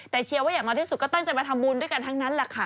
แต่เชียร์ว่าอย่างน้อยที่สุดก็ตั้งใจมาทำบุญด้วยกันทั้งนั้นแหละค่ะ